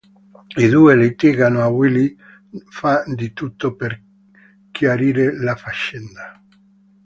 I due litigano e Willy fa di tutto per chiarire la faccenda.